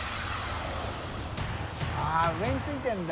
あぁ上についてるんだ。